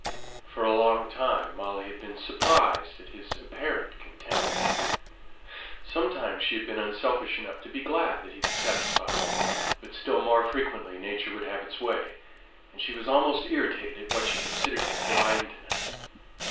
For a long time Molly had been surprised at his apparent contentment; sometimes she had been unselfish enough to be glad that he was satisfied; but still more frequently nature would have its way, and she was almost irritated at what she considered his blindness.